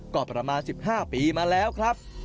ก็ประมาณ๑๕ปีมาแล้วครับ